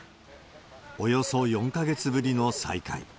およそ４か月ぶりの再会。